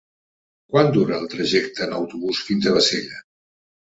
Quant dura el trajecte en autobús fins a Bassella?